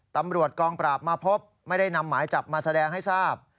ตำรวจกองปราบมาพบไม่ได้นำหมายจับมาแสดงให้ทราบ